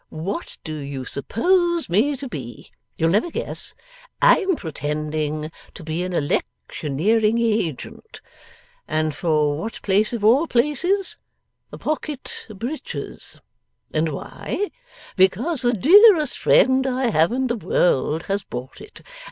What do you suppose me to be? You'll never guess. I'm pretending to be an electioneering agent. And for what place of all places? Pocket Breaches. And why? Because the dearest friend I have in the world has bought it.